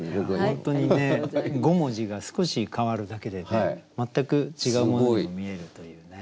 本当にね５文字が少し変わるだけでね全く違うものにも見えるというね。